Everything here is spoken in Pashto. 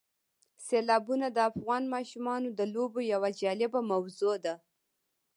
سیلابونه د افغان ماشومانو د لوبو یوه جالبه موضوع ده.